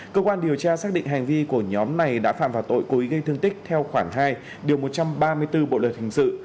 cơ quan điều tra xác định hành vi của nhóm này đã phạm vào tội cố ý gây thương tích theo khoản hai điều một trăm ba mươi bốn bộ luật hình sự